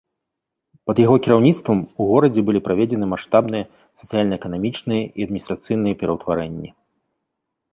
Пад яго кіраўніцтвам у горадзе былі праведзены маштабныя сацыяльна-эканамічныя і адміністрацыйныя пераўтварэнні.